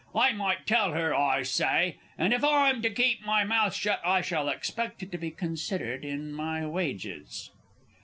I might tell her, I say, and, if I'm to keep my mouth shut, I shall expect it to be considered in my wages.